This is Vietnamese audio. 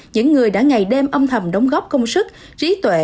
những người đã ngày đêm âm thầm đóng góp công sức trí tuệ